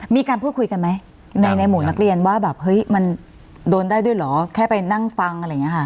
มีการพูดคุยกันไหมในหมู่นักเรียนว่าแบบเฮ้ยมันโดนได้ด้วยเหรอแค่ไปนั่งฟังอะไรอย่างนี้ค่ะ